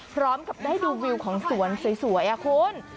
พร้อมกับได้ดูวิวของสวนสวยคุณ